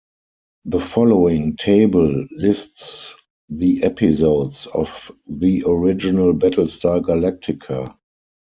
The following table lists the episodes of the original "Battlestar Galactica".